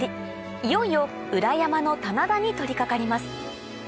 いよいよ裏山の棚田に取りかかります